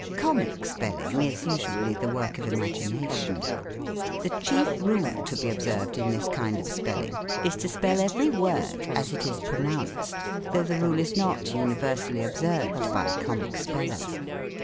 Comic spelling is usually the work of imagination. 16 THE COMIC ENGLISH GRAMMAR. The chief rule to be observed in this kind of spelling, is, to spell every word as it is pronounced ; though the rule is not universally observed by comic spellers.